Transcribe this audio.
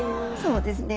そうですね。